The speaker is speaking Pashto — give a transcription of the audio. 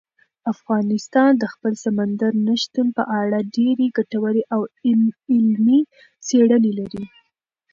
افغانستان د خپل سمندر نه شتون په اړه ډېرې ګټورې او علمي څېړنې لري.